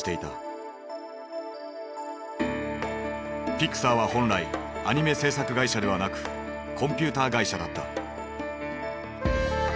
ピクサーは本来アニメ制作会社ではなくコンピューター会社だった。